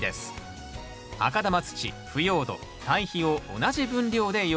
赤玉土・腐葉土・堆肥を同じ分量で用意します。